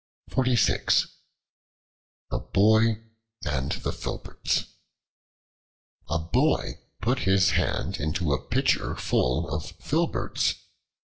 The Boy and the Filberts A BOY put his hand into a pitcher full of filberts.